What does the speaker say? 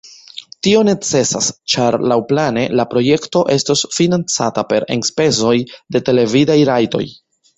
Tio necesas, ĉar laŭplane la projekto estos financata per enspezoj de televidaj rajtoj.